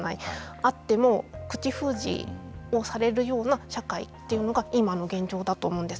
あっても口封じをされるような社会というのが今の現状だと思うんです。